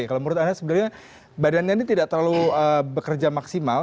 kalau menurut anda sebenarnya badannya ini tidak terlalu bekerja maksimal